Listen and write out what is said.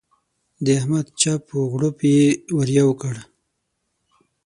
د احمد چپ و غړوپ يې ور یو کړ.